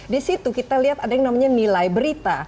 di situ kita lihat ada yang namanya nilai berita